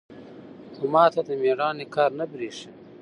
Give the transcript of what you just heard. خو ما ته د ميړانې کار نه بريښي.